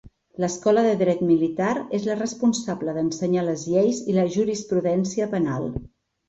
L'Escola de dret militar, és la responsable d'ensenyar les lleis i la jurisprudència penal.